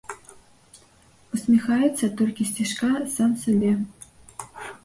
Усміхаецца толькі сцішка сам сабе.